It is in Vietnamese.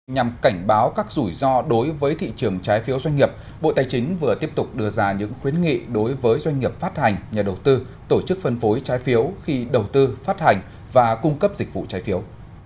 nhằm cảnh báo các rủi ro đối với thị trường trái phiếu doanh nghiệp bộ tài chính vừa tiếp tục đưa ra những khuyến nghị đối với doanh nghiệp phát hành nhà đầu tư tổ chức phân phối trái phiếu khi đầu tư phát hành và cung cấp dịch vụ trái phiếu